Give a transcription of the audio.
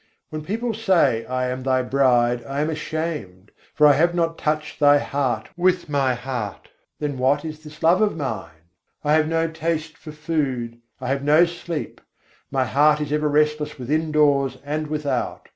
When people say I am Thy bride, I am ashamed; for I have not touched Thy heart with my heart. Then what is this love of mine? I have no taste for food, I have no sleep; my heart is ever restless within doors and without.